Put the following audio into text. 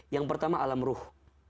yang pertama alam ruh